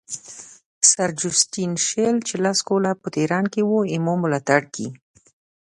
سر جوسټین شیل چې لس کاله په تهران کې وو زما ملاتړ کوي.